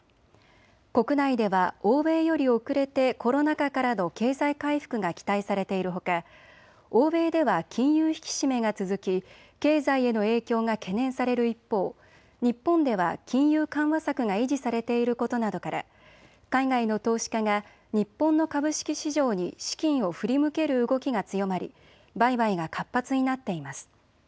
国内では欧米より遅れてコロナ禍からの経済回復が期待されているほか欧米では金融引き締めが続き経済への影響が懸念される一方、日本では金融緩和策が維持されていることなどから海外の投資家が日本の株式市場に資金を振り向ける動きが強まり売買が活発になっています。